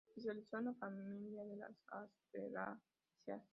Se especializó en la familia de las asteráceas.